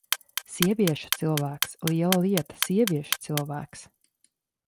Sievieša cilvēks! Liela lieta: sievieša cilvēks!